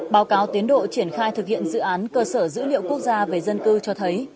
báo cáo tiến độ triển khai thực hiện dự án cơ sở dữ liệu quốc gia về dân cư cho thấy